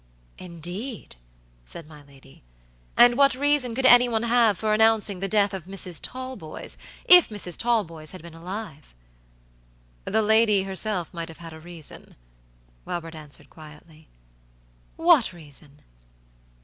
"Indeed!" said my lady; "and what reason could any one have for announcing the death of Mrs. Talboys, if Mrs. Talboys had been alive?" "The lady herself might have had a reason," Robert answered, quietly. "What reason?"